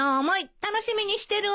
楽しみにしてるわよ。